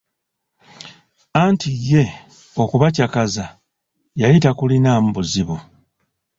Anti ye okubacakaza yali takulinamu buzibu.